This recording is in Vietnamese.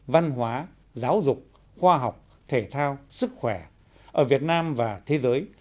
văn hóa giáo dục khoa học thể thao sức khỏe ở việt nam và thế giới